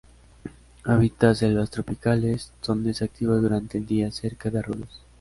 Habita selvas tropicales, donde es activo durante el día cerca de arroyos.